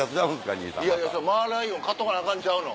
いやいやマーライオン買っとかなアカンちゃうの？